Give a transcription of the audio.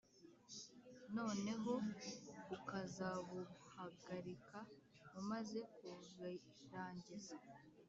noneho ukazabuhagarika umaze kubirangiza